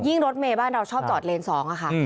รถเมย์บ้านเราชอบจอดเลน๒ค่ะ